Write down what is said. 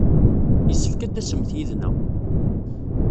Yessefk ad d-tasemt yid-neɣ.